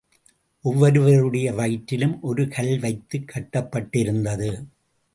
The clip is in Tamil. ஒவ்வொருவருடைய வயிற்றிலும் ஒரு கல் வைத்துக் கட்டப்பட்டிருந்தது.